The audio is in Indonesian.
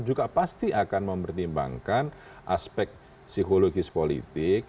juga pasti akan mempertimbangkan aspek psikologis politik